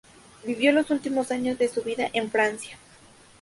Vivió los últimos años de su vida en Francia.